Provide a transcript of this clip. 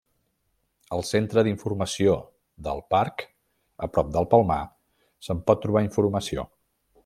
Al centre d'informació del parc a prop del Palmar, se'n pot trobar informació.